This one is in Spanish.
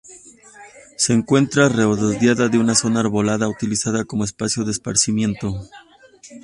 Se encuentra rodeada de una zona arbolada utilizada como espacio de esparcimiento.